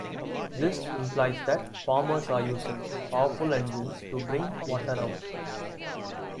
This implies that farmers are using powerful engines to bring water out.